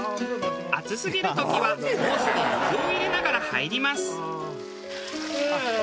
熱すぎる時はホースで水を入れながら入ります。